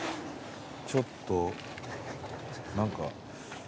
ちょっと何か。